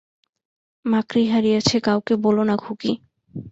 মাকড়ি হারিয়েছে কাউকে বোলো না খুকী।